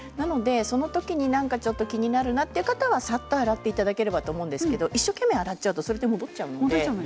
その時にちょっと気になるなという方はさっと洗っていただければと思いますが一生懸命、洗うとそれで戻っちゃいます。